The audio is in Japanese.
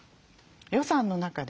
予算の中で。